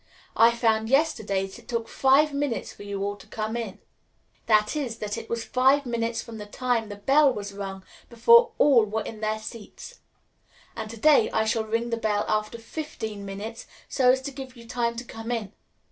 I found yesterday that it took five minutes for you all to come in that is, that it was five minutes from the time the bell was rung before all were in their seats; and to day I shall ring the bell after fifteen minutes, so as to give you time to come in.